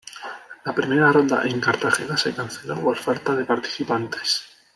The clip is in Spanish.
La primera ronda en Cartagena se canceló por falta de participantes.